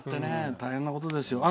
大変なことですよ。